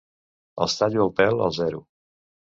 Els tallo el pèl al zero.